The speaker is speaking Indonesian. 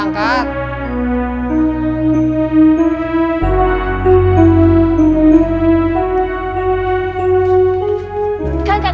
neng akan berangkat